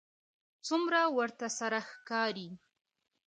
څومره ورته سره ښکاري